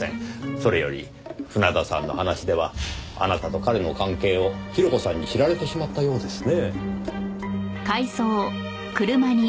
それより船田さんの話ではあなたと彼の関係を広子さんに知られてしまったようですね。